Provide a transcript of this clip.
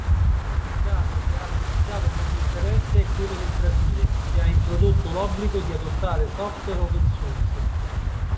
Un caso che ha suscitato molto interesse è quello del Brasile, che ha introdotto l'obbligo di adottare software open source.